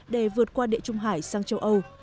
để vượt qua địa trung hải sang châu âu